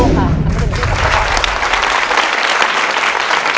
ภารกิจภารกิจภารกิจ